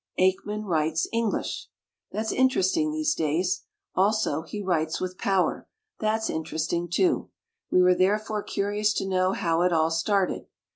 Aikman writes English! That's interesting these days. Also, he writes with power — ^that's interest ing, too. We were therefore curious to know how it all started.